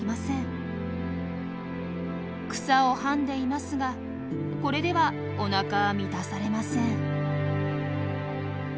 草をはんでいますがこれではおなかは満たされません。